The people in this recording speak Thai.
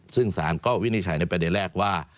ซึ่งสารก็วินิจฉัยในประเด็นแรกว่า